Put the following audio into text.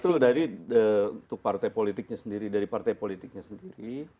betul dari untuk partai politiknya sendiri dari partai politiknya sendiri